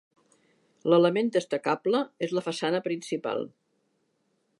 L'element destacable és la façana principal.